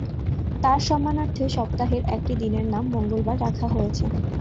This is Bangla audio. তার সম্মানার্থে সপ্তাহের একটি দিনের নাম মঙ্গলবার রাখা হয়েছে।